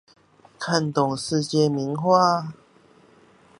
看懂世界名畫